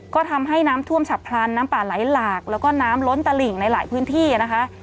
ก็ทำให้น้ำท่วมฉับพลันน้ำป่าไหลหลากแล้วก็น้ำล้นตลิ่งในหลายพื้นที่นะคะ